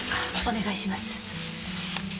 お願いします。